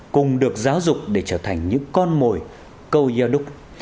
cùng được giáo dục để trở thành những con mồi câu yo đúc